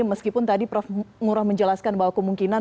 meskipun tadi prof ngurah menjelaskan bahwa kemungkinan